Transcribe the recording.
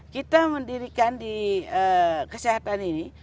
kita mendirikan di kesehatan ini